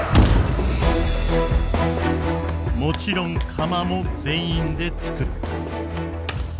もちろん釜も全員でつくる。